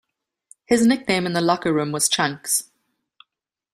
His nickname in the locker room was Chunks.